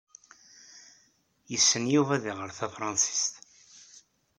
Yessen Yuba ad iɣeṛ tafṛansist.